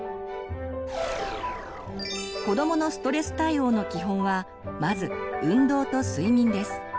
子どものストレス対応の基本はまず運動と睡眠です。